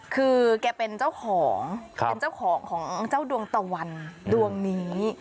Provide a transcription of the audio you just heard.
คือแกเป็นเจ้าของเป็นเจ้าของของเจ้าดวงตะวันดวงนี้